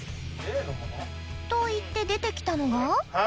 ・と言って出て来たのが？